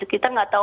kita nggak tahu